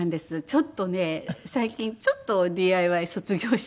ちょっとね最近ちょっとＤＩＹ卒業してまして。